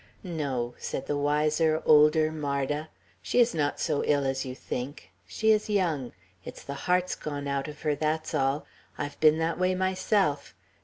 "No," said the wiser, older Marda. "She is not so ill as you think. She is young. It's the heart's gone out of her; that's all. I've been that way myself.